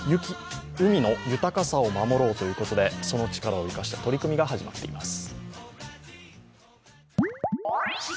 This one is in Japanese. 「海の豊かさを守ろう」ということでその力を生かした取り組みが始まっています。